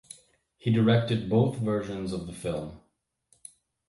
He directed both versions of the film.